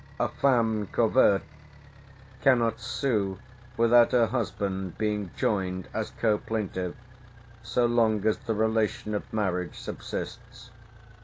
"A feme covert cannot sue without her husband being joined as co plaintiff, so long as the relation of marriage subsists.